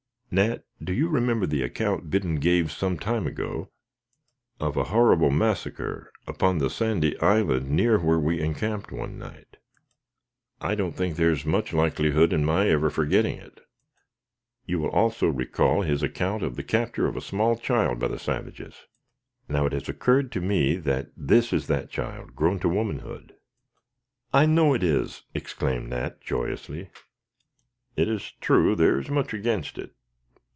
"Nat, do you remember the account Biddon gave some time ago of a horrible massacre, upon the sandy island near where we encamped one night?" "I don't think there is much likelihood of my ever forgetting it." "You will also recall his account of the capture of a small child by the savages? Now, it has occurred to me that this is that child grown to womanhood." "I know it is!" exclaimed Nat, joyously. "It is true there is much against it.